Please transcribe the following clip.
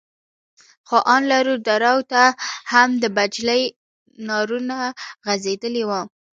خو ان لرو درو ته هم د بجلي تارونه غځېدلي وو.